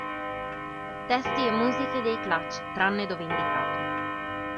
Testi e musiche dei Clutch, tranne dove indicato.